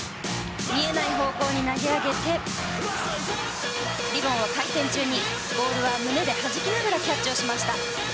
見えない方向に投げ上げてリボンを回転中にボールは胸ではじきながらキャッチをしました。